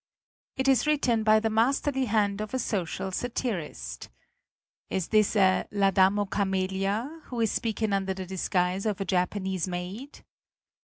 It is written by the masterly hand of a social satirist. Is this a "La Dame au Camelia" who is speaking under the dis guise of a Japanese maid?